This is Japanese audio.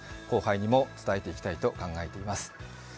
後輩にも伝えていきたいと考えています。